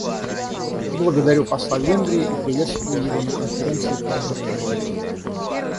Благодарю посла Венгрии и приветствую его на Конференции по разоружению.